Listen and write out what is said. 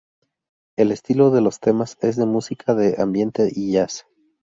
El estilo de los temas es de música de ambiente y jazz.